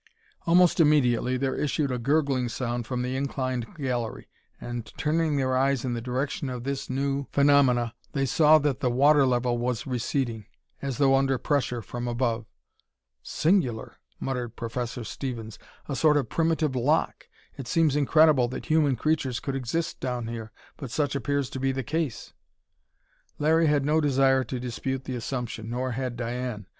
Almost immediately, there issued a gurgling sound from the inclined gallery, and turning their eyes in the direction of this new phenomena, they saw that the water level was receding, as though under pressure from above. "Singular!" muttered Professor Stevens. "A sort of primitive lock. It seems incredible that human creatures could exist down here, but such appears to be the case." Larry had no desire to dispute the assumption, nor had Diane.